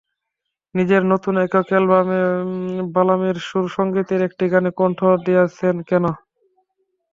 নিজের নতুন একক অ্যালবামে বালামের সুর-সংগীতে একটি গানে কণ্ঠ দিয়েছেন তিনি।